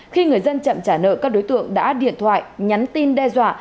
khi người dân chậm trả nợ các đối tượng đã điện thoại nhắn tin đe dọa